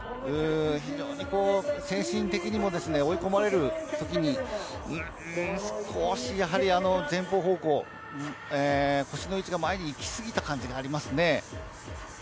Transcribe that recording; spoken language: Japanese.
非常に精神的にも追い込まれる時に、少しやはり前方方向、腰の位置が前に行きすぎた感じがありますね。